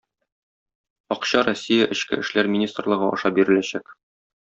Акча Россия эчке эшләр министрлыгы аша биреләчәк.